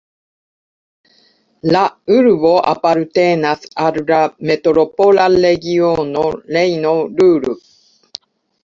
La urbo apartenas al la Metropola regiono Rejno-Ruhr.